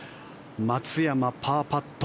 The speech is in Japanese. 松山、パーパット。